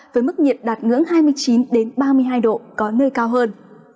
với mức nhiệt đạt ngưỡng hai mươi chín ba mươi hai độ có nơi cao hơn